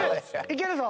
いけるぞ。